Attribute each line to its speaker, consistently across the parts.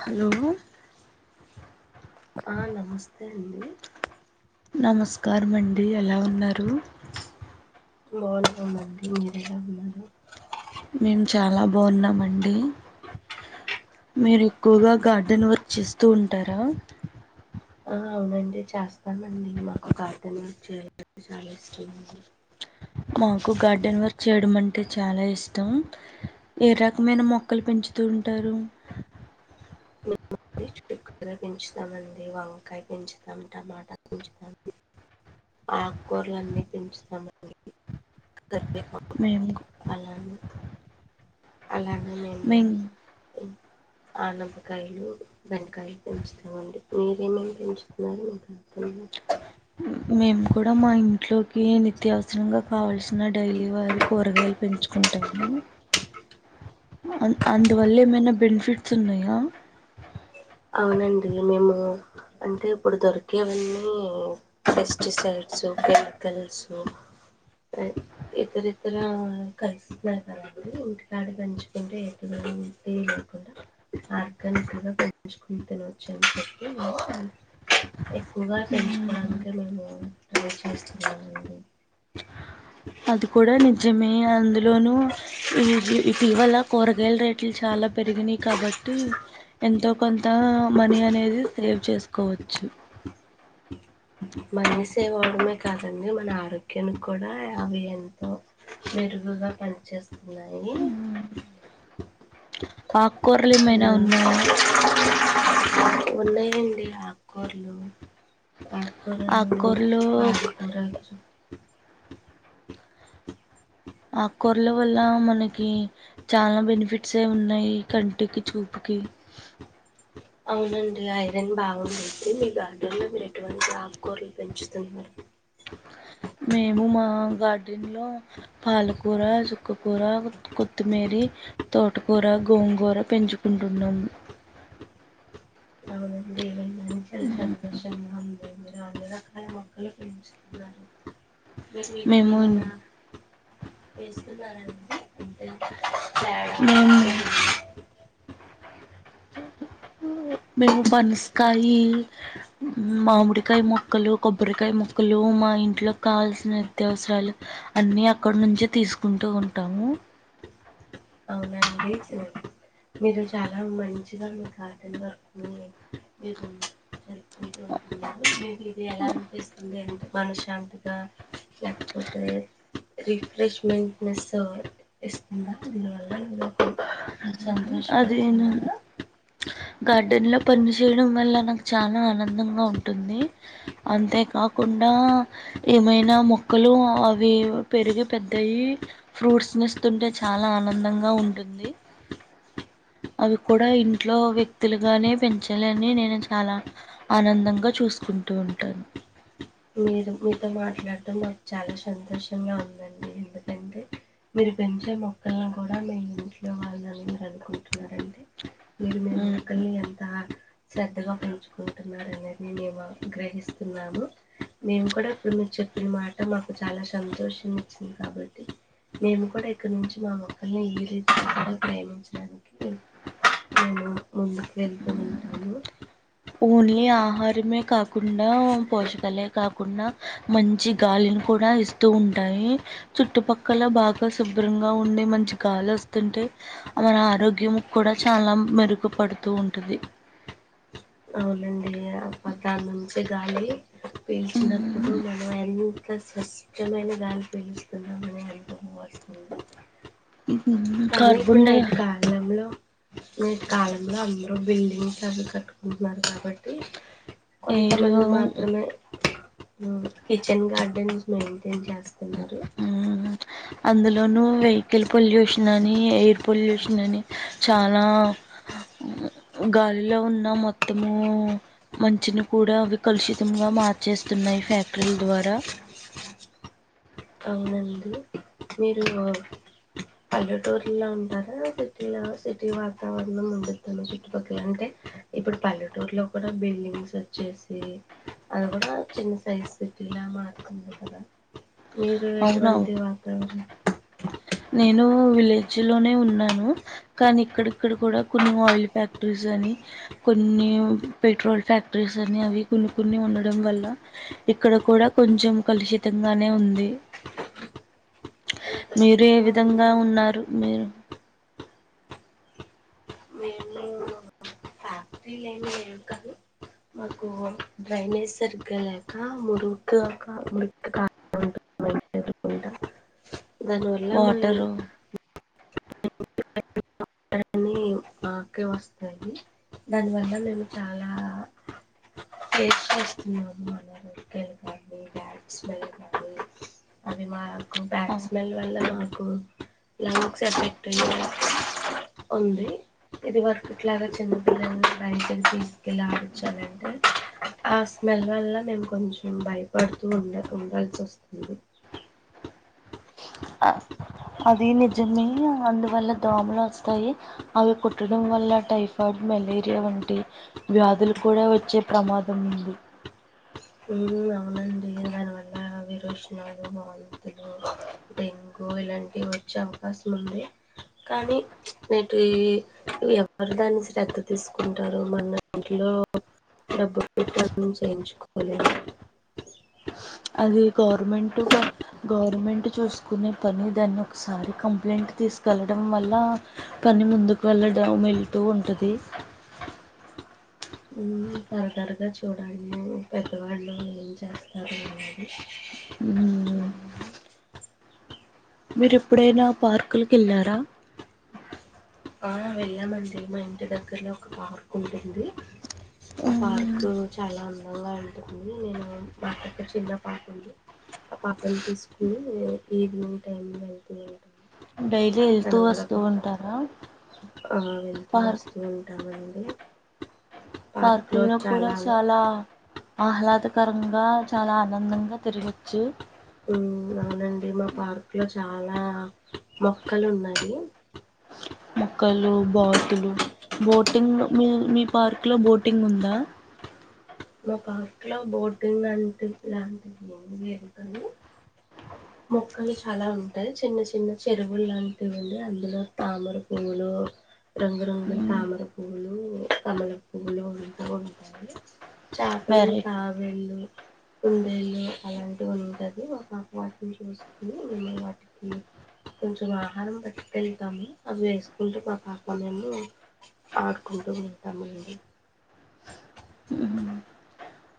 Speaker 1: Hollow
Speaker 2: hello అండి
Speaker 1: నమస్కారమండి ఎలా ఉన్నారు
Speaker 2: బాగున్నామండి మీరు ఎలా ఉన్నారు
Speaker 1: మీము చాలా బాగున్నాం అండి మీరు ఎక్కువగా గార్డెన్ వర్క్ చేస్తూ ఉంటారా
Speaker 2: ఆహా అవునండి చేస్తానండి మాకు గార్డెన్ వర్క్ చేయడం చాలాఇష్టమండి
Speaker 1: మాకు గార్డెన్ వర్క్ చేయడం అంటే చాలా ఇష్టం ఏ రకమైన మొక్కలు పెంచుతూ ఉంటారు
Speaker 2: చుక్కకూర పెంచుతామండి వంకాయ పెంచుతాం టమాటా పెంచుతా ఆకుకూరలున్నీ పెంచుతామండి కరివేపాకు
Speaker 1: మేము
Speaker 2: అలానే అలాగే మేము
Speaker 1: మేం
Speaker 2: హు అనపకాయలు బెండకాయలు పెంచుతామండి మీరేమేమి పెంచుతున్నారు మీ ఇంటి దగ్గరనే
Speaker 1: మేము కూడా మా ఇంట్లోకి నిత్యావసరంగా కావాల్సిన డైలీ వారి కూరగాయలు పెంచుకుంటాము అం అందువల్ల ఏమైనా బెనిఫిట్స్ ఉన్నాయా
Speaker 2: అవునండి మేము అంటే ఇప్పుడు దొరికేవన్నీ పెస్టిసైడ్స్ కెమికల్స్ ఇతర ఇతర కస్తున్నారు కదా అండి ఇంటికాడ పంచుకుంటే ఎటు ఉంటే లేకుండా ఆర్గానిక్ గా పెంచుకొని తిన వచ్చాని చెప్పి నేను ఎక్కువగా పెంచుకోవడానికే నేను ట్రై చేస్తున్నానండి
Speaker 1: అది కూడా నిజమే అందులోనూ ఇది ఇటీవల కూర కూరగాయలు రేట్లు చాలా పెరిగినాయి కాబట్టి ఎంతో కొంత మనీ అనేది సేవ్ చేసుకోవచ్చు
Speaker 2: మనీ సేవ్ అవ్వడమే కాదండి మన ఆరోగ్యాన్ని కూడా అవి ఎంతో మెరుగుగా పనిచేసు ఉన్నాయి
Speaker 1: ఆ
Speaker 2: ఆ [inaudible] ఉన్నాయండి ఆకుకూరలు ఆకుకూరలు
Speaker 1: ఆకుకూరలు
Speaker 2: పాలకూర
Speaker 1: ఆకుకూరల వల్ల మనకి చాలా బెనిఫిట్స్ ఉన్నాయి కంటికి చూపుకి
Speaker 2: అవునండి ఐరన్ బాగుంటుంది. అయితే మీ గార్డెన్ లో మీరు ఎటువంటి ఆకుకూరలు పెంచుతున్నారు.
Speaker 1: మేము మా గార్డెన్ లో పాలకూర, చుక్కకూర, కొత్తిమీరీ, తోటకూర, గోంగూర పెంచుకుంటున్నాము.
Speaker 2: అవునండి వినడానికి చాలా సంతోషంగా ఉంది మీరు అందురూ రకరకాల మొక్కలు పెంచుతున్నారు వేసిన్,
Speaker 1: మేము
Speaker 2: ఏమన్నా వేసి తున్నానండి
Speaker 1: మేము
Speaker 2: ఎరువు
Speaker 1: మేము పనసకాయ, మామిడికాయ మొక్కలు, కొబ్బరికాయ మొక్కలు మా ఇంట్లోకి కావాల్సిన నిత్యావసరాలు అన్ని అక్కడ నుంచి తీసుకుంటూ ఉంటాము.
Speaker 2: అవునండి మీరు చాలా మంచిగా మీ గార్డెన్ వర్క్ మీరు జరుపుకుంటున్నారు. ఇది ఎలా అనిపిస్తుంది అంటే మన శాంతిగా లేకపోతే రిఫ్రెష్మెంట్నెస్ ఇస్తుందా [unintelligible]
Speaker 1: అదేనా
Speaker 2: సంతోషపడుతున్నారా
Speaker 1: గార్డెన్లో పని చేయడం వల్ల నాకు చాలా ఆనందంగా ఉంటుంది అంతేకాకుండా ఏమైనా మొక్కలు అవి పెరిగి పెద్దయ్యి ఫ్రూట్స్ నీ ఇస్తుంటే చాలా ఆనందంగా ఉంటుంది. అవి కూడా ఇంట్లో వ్యక్తులుగానే పెంచాలని నేను చాలా ఆనందంగా చూసుకుంటూ ఉంటాను.
Speaker 2: మీరు మీతో మాట్లాడటం మాకు చాలా సంతోషంగా ఉందండి. ఎందుకంటే మీరు పెంచే మొక్కల్ని కూడా మీ ఇంట్లో వాళ్ళని మీరు అనుకుంటున్నారండి. మీరు మొక్కల్ని అంత శ్రద్ధగా పెంచుకుంటున్నారు అనేది మేము గ్రహిస్తున్నాము మేము కూడా ఇప్పుడు మీరు చెప్పిన మాట మాకు చాలా సంతోషం ఇచ్చింది కాబట్టి మేము కూడా ఇక్కడ నుంచి మా మొక్కల్ని ఈ రీతిలో కూడా ప్రేమించడానికి అవును వెళ్తూ ఉంటాము
Speaker 1: ఓన్లీ ఆహారమే కాకుండా పోషకాలే కాకుండా మంచి గాలిని కూడా ఇస్తూ ఉంటాయి. చుట్టుపక్కల బాగా శుభ్రంగా ఉండి మంచి గాలి వస్తుంటే మన ఆరోగ్యం కూడా చాలా మెరుగుపడుతూ ఉంటా ఉంటుంది
Speaker 2: మంచి గాలి పీల్చినప్పుడు మనం ఎంత స్వచ్ఛమైన గాలి పీలుచుకున్నాం అని అనుభూతి వస్తుంది.
Speaker 1: ఉ
Speaker 2: కానీ ఇప్పుడు నేటి కాలంలో ఈ కాలంలో అందరు బిల్డింగ్స్ అవి కట్టుకుంటున్నారు కాబట్టి
Speaker 1: ఎయిర్
Speaker 2: కొంతమంది మాత్రమే కిచెన్ గార్డెన్స్ ను ఏం చేస్తున్నారు
Speaker 1: అందులోనూ వెహికల్ పొల్యూషన్ అని ఎయిర్ పొల్యూషన్ అని చాలా గాలిలో ఉన్న మొత్తము మంచిని కూడా అవి కలుషితంగా మార్చేస్తున్నాయి ఫ్యాక్టరీల ద్వారా
Speaker 2: అవునండి మీరు పల్లెటూరులో ఉంటారా సిటీలో సిటీ వాతావరణం వండుతాను చుట్టుపక్కల అంటే ఇప్పుడు పల్లెటూరులో కూడా బిల్డింగ్స్ వచ్చేసి అది కూడా చిన్న సైజు సిటీలా మారుతుంది కదా మీరు
Speaker 1: అవునవును
Speaker 2: ఎటువంటి వాతావరణం
Speaker 1: నేను విలేజ్ లోనే ఉన్నాను. కానీ ఇక్కడిక్కడ కూడా కొన్ని ఆయిల్ ఫ్యాక్టరీస్, అని కొన్ని పెట్రోల్ ఫ్యాక్టరీస్, అని అవి కొన్ని కొన్ని ఉండడం వల్ల. ఇక్కడ కూడా కొంచెం కలుషితంగానే ఉంది.
Speaker 2: ఇలా
Speaker 1: మీరు ఏ
Speaker 2: కలుషితంగా
Speaker 1: విధంగా
Speaker 2: ఉండడం
Speaker 1: ఉన్నారు మీరు.
Speaker 2: [unintelligible] కాదు మాకు డ్రైనేజ్ సరిగ్గా లేక మురుగా కా మురుగా ఉంటుంది కాలువాళ్లు [unintelligible] దానివల్ల మ ఈ
Speaker 1: వాటరు
Speaker 2: [unintelligible] కానీ మాకే వస్తాయి. దాని వల్ల నేను చాలా ఏడ్చేస్తున్నారలు కానీ, బ్యాడ్ స్మెల్ కానీ అవి మా కు
Speaker 1: ఆ!
Speaker 2: బ్యాడ్ స్మెల్ వల్లన్ కు లంగ్స్ ఎఫెక్ట్ ఉంది. ఇది వరకు ఇట్లాగా చిన్నపిిల్లల్ బయటకి తీసుకెళ్ళి ఆడించాలంటే. ఆ స్మెల్ వల్ల నేను కొంచెం భయపడుతూ ఉండ ఉండాల్సి వస్తుంది.
Speaker 1: అది నిజమే అందువల్ల దోమలు వస్తాయి. అవి కుట్టడం వల్ల టైఫాయిడ్, మలేరియా వంటి వ్యాధులు కూడా వచ్చే ప్రమాదం ఉంది.
Speaker 2: ఉహ్మ్ అవునండి. దానివల్ల విరోశ్నలు, వం, డెంగ్యూ ఇలాంటివి వచ్చే అవకాశం ఉంది. కానీ నేటి ఎవరు దాన్ని శ్రద్ధ తీసుకుంటారు. మన ఇంట్లో డబ్బు పెట్టకోని చేయించుకో అవున
Speaker 1: అది గవర్మెంంటుగా గవర్ గవర్నమెంట్ చూసుకునే పని దాన్ని ఒకసారి కంప్లైంట్ తీసుకెళ్ళడం వల్ల. పని ముందుకు వెళ్ళడం వెళ్తూ ఉంటది.
Speaker 2: ఉహ్మ్ తరతరగా చూడాలీ. పెద్దవాళ్ళు ఏం చేస్తారు అన్నది.
Speaker 1: మ్మ్
Speaker 2: ఉహ్మ్
Speaker 1: మీరు ఎప్పుడైనా పార్కులకేళ్ళారా.
Speaker 2: ఆ వెళ్ళామండి. మా ఇంటి దగ్గరలో ఒక పార్క్ ఉంటుంది. ఆ పార్క్ చాలా అందంగా ఉంటుంది. మా అక్కకి చిన్న పాప ఉంది. ఆ పాపను తీసుకుని ఈవినింగ్ టైం వెళ్తూ ఉంటాను.
Speaker 1: డైలీ వెళ్తూ,
Speaker 2: తను కూడా
Speaker 1: వస్తూ ఉంటారా.
Speaker 2: ఆ వెళ్తూ,
Speaker 1: పార్క్
Speaker 2: వస్తూ ఉంటం. మండి
Speaker 1: పార్కుల్లో కూడా చాలా ఆహ్లాదకరంగా, చాలా ఆనందంగా తిరగొచ్చు.
Speaker 2: ఉహ్ అవునండి. మా పార్క్ లో చాలా మొక్కలు ఉన్నాయి.
Speaker 1: మొక్కలు, బాతులు, బోటింగ్ మీ మీ పార్క్ లో బోటింగ్ ఉందా.
Speaker 2: మా పార్క్ లో బోటింగ్ అంటే. ఇలాంటివి ఏమి లేవు కానీ మొక్కలు చాలా ఉంటాయి. చిన్న చిన్న చెరువులు లాంటివి ఉండి. అందులో తామర పువ్వులు, రంగురంగుల తామర పువ్లు, కమల పువ్లు ఉంటూ ఉంటాయి. చేపలు,
Speaker 1: వెరై
Speaker 2: తాబేళ్ళు కుందేలు అలాంటివి ఉంటది. ఒక చూసుకుని. మేము వాటికి కొంచెం ఆహారం బట్టికేళ్తాము. అవి వేసుకుంటూ మా పాప మేము ఆడుకుంటూ ఉంటాము అండి.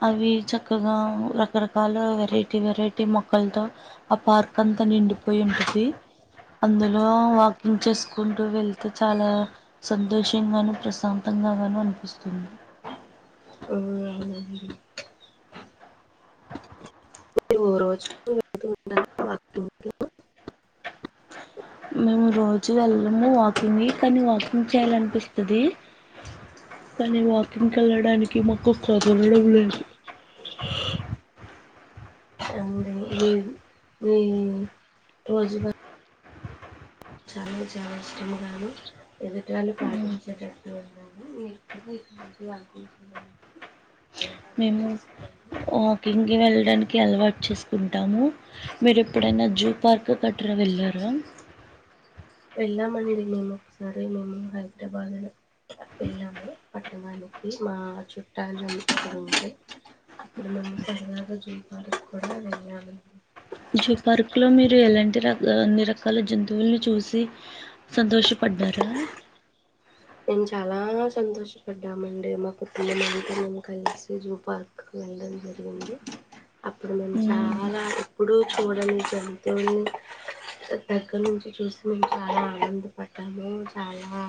Speaker 1: అవి చక్కగా రకరకాల వెరైటీ వెరైటీ మొక్కలతో ఆ పార్క్ అంతా నిండిపోయి ఉంటది. అందులో వాకింగ్ చేసుకుంటూ వెళ్తే చాలా సంతోషంగాను, ప్రశాంతంగాగాను అనిపిస్తుంది.
Speaker 2: ఆ, అవునండి [unintelligible]
Speaker 1: మేము రోజు వెళ్ళము వాకింగ్. కానీ వాకింగ్ చేయాలనిపిస్తది. కానీ వాకింగ్ వెళ్ళడానికి మాకు కుదలడం లేదు.
Speaker 2: అండి రోజుగా అ చాలా ఇష్టంగాను ఎదుటి వాళ్ళు పాటించేటట్టు ఉన్నాను. నేను ఇక నుంచి పాటించలనుకొంటున్నాను
Speaker 1: మేము వాకింగ్ కి వెళ్ళడానికి అలవాట్ చేేస్ కుంటాము. మీరు ఎప్పుడైనా జూ పార్క్ గట్రా వెళ్ళారా.
Speaker 2: వెళ్ళామండి మేము ఒకసారి మేము హైదరాబాద్ లో వెళ్ళాము. పట్టణానికి మా చుట్టాలు ఉంటే అప్పుడు మేము సరదాగా జూ పార్క్ కూడా వెళ్ళామండి.
Speaker 1: జూ పార్క్ లో మీరు ఎలాంటి ర అన్ని రకాల జంతువుల్ని చూసి సంతోషపడ్డారా.
Speaker 2: మేము చాలా సంతోషపడ్డామండి. మా పిల్లలుతో మేము కలిసి జూ పార్క్ వెళ్ళడం జరిగింది. అప్పుడు మేము
Speaker 1: హ్మ్.
Speaker 2: చాలా ఎప్పుడు చూడనీ జంతువుల్ని దగ్గర నుంచి చూసి మేము చాలా ఆనందపడ్డాము. చాలా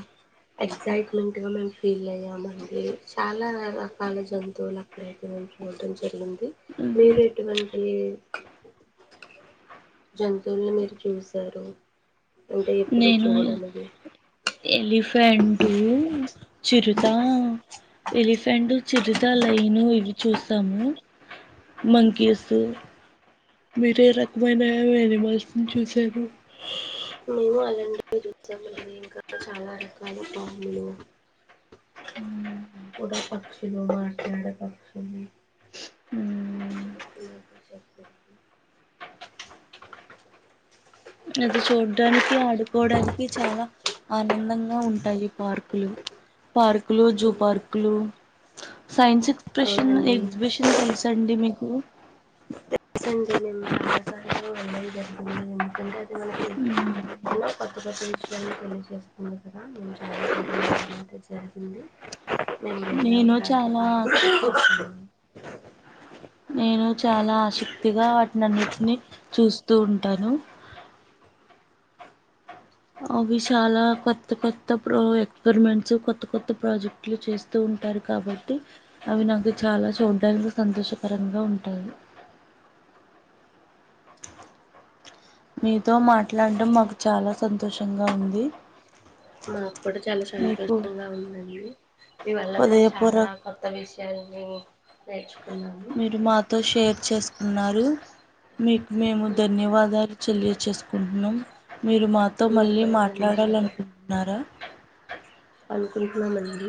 Speaker 2: ఎగ్జైట్మెంట్ గా మేము ఫీల్ అయ్యామండి. చాలా రకాల జంతువులు అక్కడైతే మేము చూడం జరిగింది.
Speaker 1: హ్మ్.
Speaker 2: మీరు ఎటువంటి జంతువుల్ని మీరు చూశారు. అంటే ఎప్పుడు చూడానివి
Speaker 1: ఎలిఫ్ ఫెంటూ చిరుతా ఎలిఫెంట్ చిరుత లైన్ ఇవి చూసాము మంకీస్ మీరు ఏ రకమైన ఎనిమల్స్ ని చూసారు
Speaker 2: అ చూసామండి ఇంకా చాలా రకాల పాములు కూడా పక్షులు మాట్లాడే పక్షులు చె [inaudible]
Speaker 1: అది చూడ్డానికి ఆడుకోవడానికి చాలా ఆనందంగా ఉంటాయి పార్కులు పార్కులు జూ పార్కులు సైన్స్ ఎక్స్ప్రెషన్
Speaker 2: అవునండి
Speaker 1: ఎగ్జిబిషన్ తెలుసండి మీకు ఉమ్ మ్మ్.
Speaker 2: [inaudible]
Speaker 1: నేను చాలా ఆక్ష-
Speaker 2: [unintelligible]
Speaker 1: నేను చాల ఆసక్తిగ వాట్నన్నింటిని చూస్తూ ఉంటాను అవి చాల కొత్త కొత్త ప్రాజెక్ ఎక్స్పెరిమెంట్స్ కొత్త కొత్త ప్రాజెక్టులు చేస్తూ ఉంటారు కాబట్టి అవి నాకు చాలా చూడ్డానికి సంతోషకరంగా ఉంటాయి మీతో మాట్లాడం మాకు చాల సంతోషంగ ఉంది
Speaker 2: మాక్కూడ చాల
Speaker 1: మీకు
Speaker 2: సంతోషంగా ఉందండి మీ వల్ల నేను చాల
Speaker 1: హృదయపూర్వక
Speaker 2: కొత్త విషయల్ ఉ [unintelligible]
Speaker 1: మీరు మాతో షేర్ చేసుకున్నారు మీకు మేము ధన్యవాదాలు తెలియచేసుకుంటున్నాం మీరు మాతో
Speaker 2: మీకు
Speaker 1: మళ్ళీ
Speaker 2: కూడా ధన్యవాదాలు
Speaker 1: మాట్లాడాలనుకుంటున్నార
Speaker 2: అనుకుంటున్నామండి